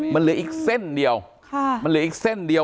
มันเหลืออีกเส้นเดียวมันเหลืออีกเส้นเดียว